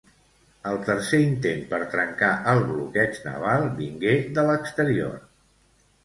El tercer intent per trencar el bloqueig naval vingué de l'exterior.